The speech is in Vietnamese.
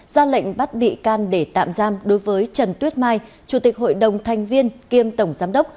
ra lệnh bắt bị can để tạm giam đối với trần tuyết mai chủ tịch hội đồng thanh viên kiêm tổng giám đốc